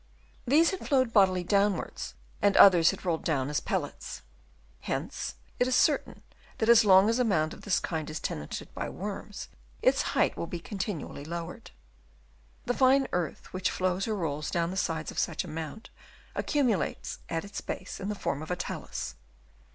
These had flowed bodily downwards, and others had rolled down as pellets. Hence it is certain that as long as a mound of this kind is tenanted by worms, its height will be continually lowered. The fine earth which flows or rolls down the sides of such a mound accumulates at its base in the form of a talus.